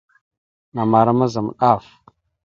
Namara mazam ɗaf.